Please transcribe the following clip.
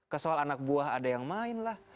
ke soal anak buah ada yang main lah